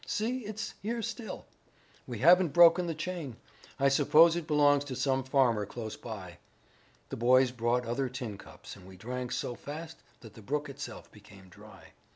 See, it's here still. We haven't broken the chain. I suppose it belongs to some farmer close by. The boys brought other tin cups and we drank so fast that the brook itself became dry.